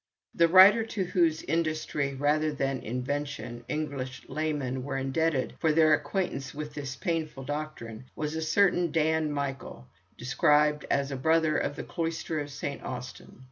The writer to whose industry, rather than invention, English laymen were indebted for their acquaintance with this painful doctrine was a certain Dan Michael, described as a brother of the Cloister of Saint Austin.